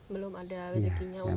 belum ada rejekinya untuk